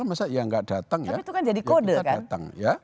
itu sama saja ya nggak datang ya